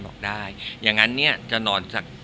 บอกได้อย่างนั้นเนี่ยจะนอนสัก